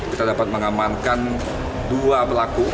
kita dapat mengamankan dua pelaku